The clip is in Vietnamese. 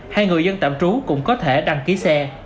hay người dân tạm trú cũng có thể đăng ký xe